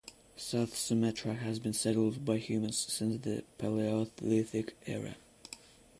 South Sumatra has been settled by humans since the Palaeolithic era.